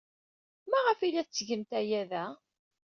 Maɣef ay la tettgemt aya da?